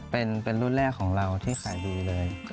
เป็นรุ่นแรกของเราที่ขายดีเลย